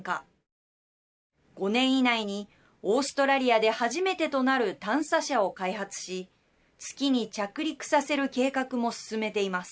５年以内に、オーストラリアで初めてとなる探査車を開発し月に着陸させる計画も進めています。